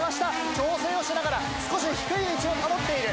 調整をしながら少し低い位置を保っている。